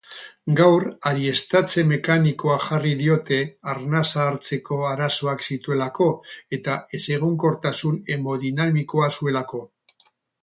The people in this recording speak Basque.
Gaur aireztatze mekanikoa jarri diote arnasa hartzeko arazoak zituelako eta ezegonkortasun hemodinamikoa zuelako.